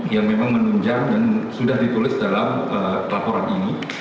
yang memang menunjang dan sudah ditulis dalam laporan ini